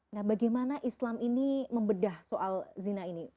nah bagaimana islam ini membedah soal zina ini